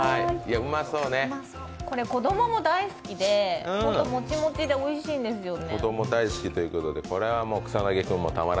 これ子どもも大好きで、ホントもちもちでおいしいんですよね。